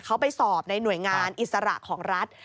เขาไปสอบในหน่วยงานอิสระของรัฐ